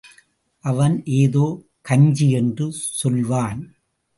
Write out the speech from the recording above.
அவன், ஏதோ கஞ்சி —என்று சொல்வான்.